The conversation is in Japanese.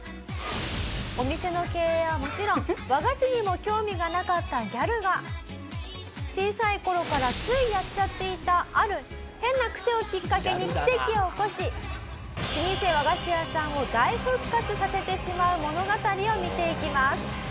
お店の経営はもちろん和菓子にも興味がなかったギャルが小さい頃からついやっちゃっていたある変なクセをきっかけに奇跡を起こし老舗和菓子屋さんを大復活させてしまう物語を見ていきます。